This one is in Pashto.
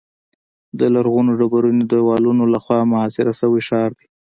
د لرغونو ډبرینو دیوالونو له خوا محاصره شوی ښار دی.